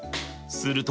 すると。